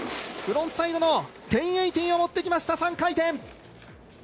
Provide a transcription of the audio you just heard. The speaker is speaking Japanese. フロントサイドの１０８０を持ってきました、３回転！